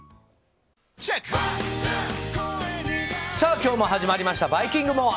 今日も始まりました「バイキングＭＯＲＥ」。